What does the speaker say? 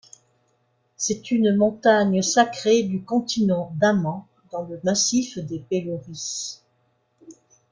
C'est une montagne sacrée du continent d'Aman, dans le massif des Pelóri.